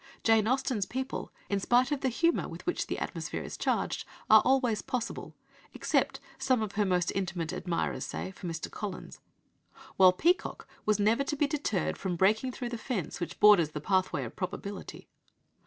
Jane Austen's people, in spite of the humour with which the atmosphere is charged, are always possible except, some of her most intimate admirers say, for Mr. Collins while Peacock was never to be deterred from breaking through the fence which borders the pathway of probability.